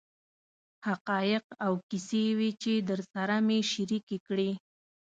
حقایق او کیسې وې چې درسره مې شریکې کړې.